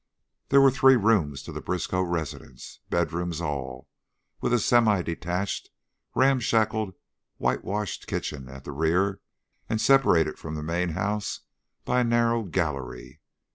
There were three rooms to the Briskow residence, bedrooms all, with a semi detached, ramshackle, whitewashed kitchen at the rear and separated from the main house by a narrow "gallery."